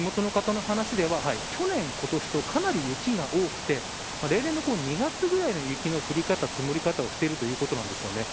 地元の方の話では、去年、今年とかなり雪が多くて例年の２月ぐらいの雪の降り方積もり方をしているということです。